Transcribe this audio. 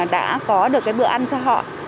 đã có được cái bữa ăn cho họ